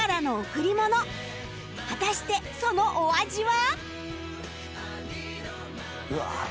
果たしてそのお味は？